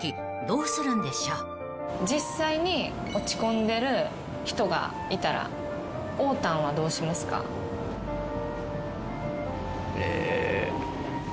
実際に落ち込んでる人がいたらおーたんはどうしますか？え。